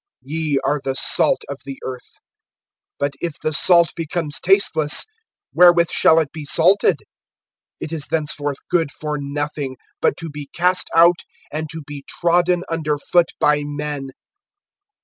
(13)Ye are the salt of the earth; but if the salt become tasteless, wherewith shall it be salted? It is thenceforth good for nothing, but to be cast out, and to be trodden under foot by men.